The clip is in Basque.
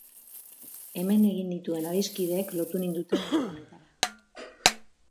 Hemen egin nituen adiskideek lotu ninduten lur honetara.